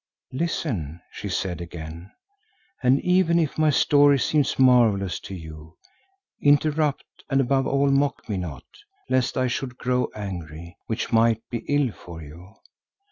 "Listen," she said again, "and even if my story seems marvellous to you, interrupt, and above all, mock me not, lest I should grow angry, which might be ill for you.